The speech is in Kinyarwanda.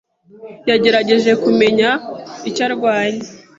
Yagerageje kumenya icyo arwanya.